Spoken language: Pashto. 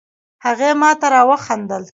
هغې ماته را وخندل